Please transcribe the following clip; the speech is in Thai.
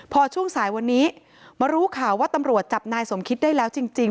พอช่วงสายวันนี้มารู้ข่าวว่าตำรวจจับนายสมคิดได้แล้วจริง